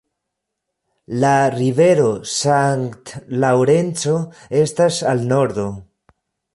La rivero Sankt-Laŭrenco estas al nordo.